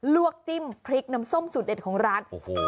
ลวกจิ้มพริกน้ำส้มสุดเด็ดของร้าน